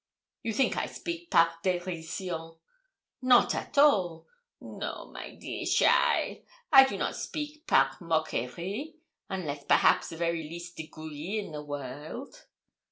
You think I speak par dérision; not at all. No, my dear cheaile, I do not speak par moquerie, unless perhaps the very least degree in the world.'